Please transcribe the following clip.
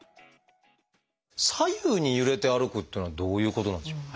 左右に揺れて歩くっていうのはどういうことなんでしょう？